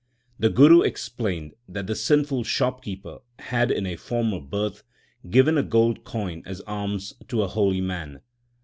The Guru explained that the sinful shopkeeper had in a former birth given a gold coin as alms to a holy man.